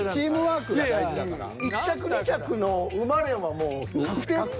１着２着の馬連はもう確定で。